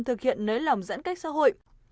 thực hiện nới lỏng giãn cách xã hội